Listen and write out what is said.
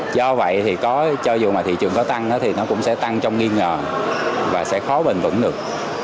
do vậy thì có cho dù mà thị trường có tăng thì nó cũng sẽ tăng trong nghi ngờ và sẽ khó bền vững được